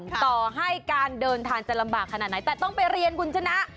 ต่อให้การเดินทางจะลำบากขนาดไหนแต่ต้องไปเรียนคุณชนะ